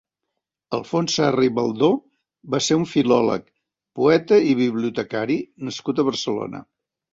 Alfons Serra i Baldó va ser un filòleg, poeta i bibliotecari nascut a Barcelona.